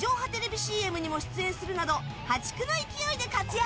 ＣＭにも出演するなど破竹の勢いで活躍！